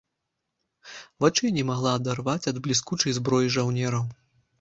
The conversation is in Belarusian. Вачэй не магла адарваць ад бліскучай зброі жаўнераў.